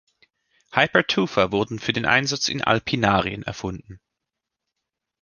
Hypertufa wurde für den Einsatz in Alpinarien erfunden.